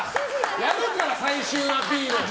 やるから、最終アピール！